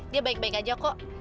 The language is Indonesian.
dia baik baik aja kok